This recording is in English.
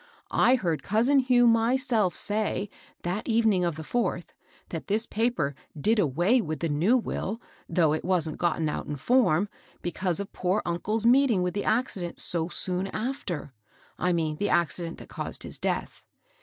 I heard cousin Hugh myself say, that evening of the fourth, that this paper did away with the new will, though it wasn't gotten out in form, because of poor uncle's meeting with the accident so soon after, — I mean the accident that caused his death.